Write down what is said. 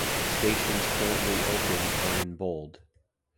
Stations currently open are in bold.